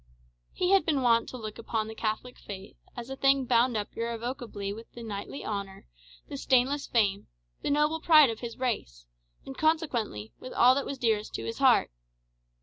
He had been wont to look upon the Catholic faith as a thing bound up irrevocably with the knightly honour, the stainless fame, the noble pride of his race, and, consequently, with all that was dearest to his heart.